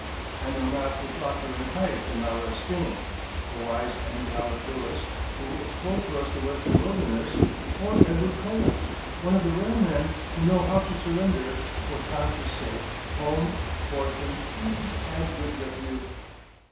I know not which ought to rank highest in our esteem, the wise and gallant Lewis, who explored for us the Western wilderness, or Edward Coles, one of the rare men who know how to surrender, for conscience' sake, home, fortune, ease, and good repute.